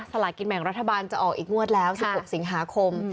ลากินแบ่งรัฐบาลจะออกอีกงวดแล้ว๑๖สิงหาคม